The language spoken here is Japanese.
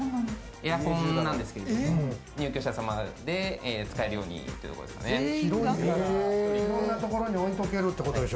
エアコンなんですけど、入居者様全員で使えるようにということです。